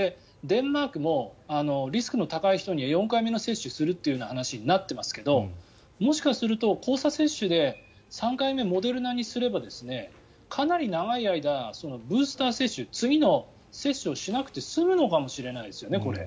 デンマークもリスクの高い人には４回目の接種をするという話になっていますけどもしかすると交差接種で３回目、モデルナにすればかなり長い間ブースター接種次の接種をしなくて済むのかもしれないですよね。